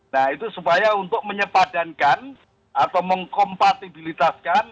nah itu supaya untuk menyepadankan atau mengkompatibilitaskan